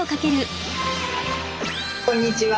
こんにちは。